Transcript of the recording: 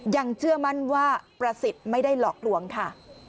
ยังเชื่อมั่นว่าประสิทธิ์ไม่ได้หลอกลวงค่ะ